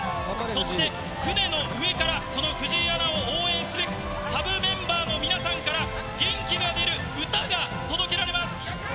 そして、船の上からその藤井アナを応援すべく、サブメンバーの皆さんから元気が出る歌が届けられます。